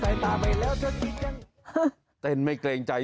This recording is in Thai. เอาไว้ครับ